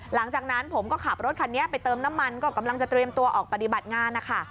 หลังจากนั้นผมก็ขับรถคันนี้ไปเติมน้ำมันก็กำลังจะเตรียมตัวออกปฏิบัติงานนะคะ